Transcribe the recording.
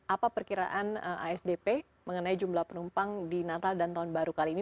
apa perkiraan asdp mengenai jumlah penumpang di natal dan tahun baru kali ini